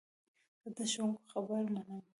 زه د ښوونکو خبره منم.